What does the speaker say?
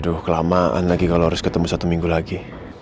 aduh kelamaan lagi kalau harus ketemu satu minggu lagi